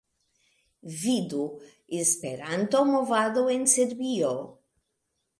Vidu: "Esperanto-movado en Serbio"